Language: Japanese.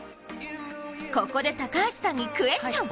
ここで高橋さんにクエスチョン。